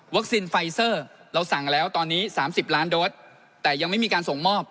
ไฟเซอร์เราสั่งแล้วตอนนี้๓๐ล้านโดสแต่ยังไม่มีการส่งมอบ